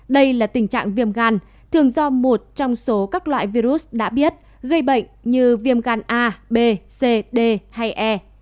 đây là tình trạng viêm gan thường do một trong số các loại virus đã biết gây bệnh như viêm gan a b cd hay e